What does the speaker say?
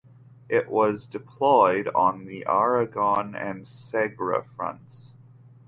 It was deployed on the Aragon and Segre fronts.